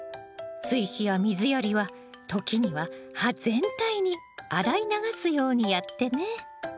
追肥や水やりは時には葉全体に洗い流すようにやってね。